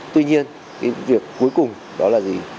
tuy nhiên cái việc cuối cùng đó là gì